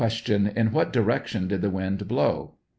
In what direction did the wind blow